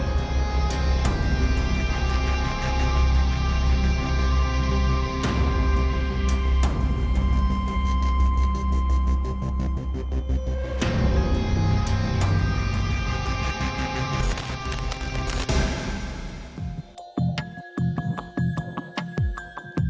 ดนตรี